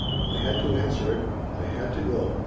I had to answer it. I had to go